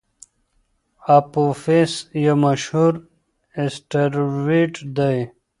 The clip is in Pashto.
اپوفیس یو مشهور اسټروېډ دی.